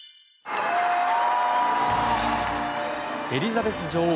エリザベス女王